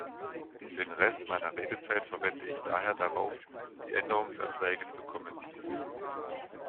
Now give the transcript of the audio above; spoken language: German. Den Rest meiner Redezeit verwende ich daher darauf, die Änderungsanträge zu kommentieren.